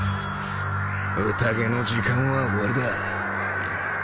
宴の時間は終わりだ。